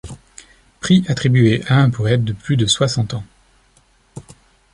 Prix attribué à un poète de plus de soixante ans.